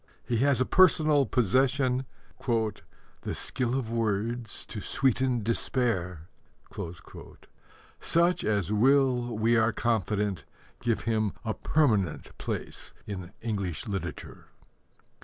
He has a personal possession The skill of words to sweeten despair, such as will, we are confident, give him a permanent place in English literature.